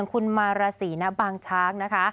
คุณมาราศีณบางช้างนะคะ